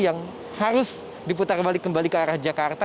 yang harus diputar balik kembali ke arah jakarta